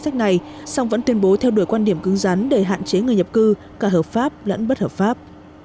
sách này song vẫn tuyên bố theo đuổi quan điểm cứng rắn để hạn chế người nhập cư cả hợp pháp lẫn bất hợp pháp